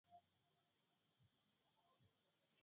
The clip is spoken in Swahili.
mimi nafumua nywele kisha nasuka tena kwa hivyo wewe ni